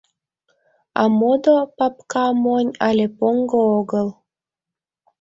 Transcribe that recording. А модо папка монь але поҥго огыл.